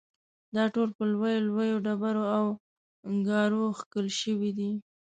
دا ټول پر لویو لویو ډبرو او ګارو کښل شوي دي.